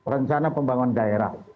rencana pembangunan daerah